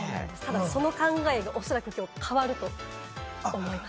その考えがおそらく、きょう変わると思います。